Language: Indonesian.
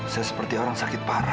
saya seperti orang sakit parah